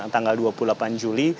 tanggal dua puluh delapan juli